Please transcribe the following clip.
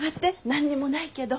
何にもないけど。